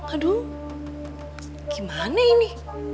aduh gimana ini